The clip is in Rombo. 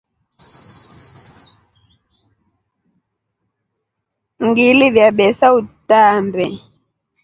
Ngiliiva besa utaambe.